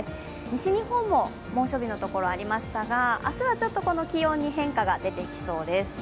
西日本も猛暑日の所、ありましたが、明日はちょっと、この気温に変化が出てきそうです。